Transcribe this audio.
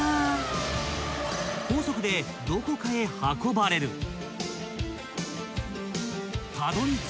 ［高速でどこかへ運ばれる］